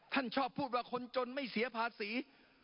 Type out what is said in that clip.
ท่านชอบพูดว่าคนจนไม่เสียภาษี